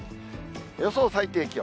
予想最低気温。